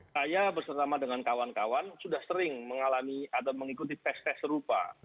saya bersama dengan kawan kawan sudah sering mengalami atau mengikuti tes tes serupa